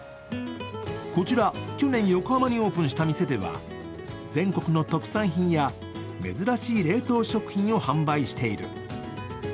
こちら、去年横浜にオープンした店では、全国の特産品や珍しい冷凍食品を販売している。